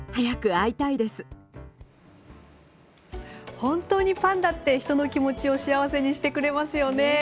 本当にパンダって人の気持ちを幸せにしてくれますよね。